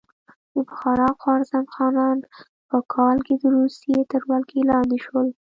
د بخارا او خوارزم خانان په کال کې د روسیې تر ولکې لاندې شول.